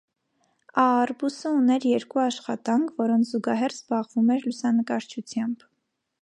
Ա. Արբուսը ուներ երկու աշխատանք, որոնց զուգահեռ զբաղվում էր լուսանկարչությամբ։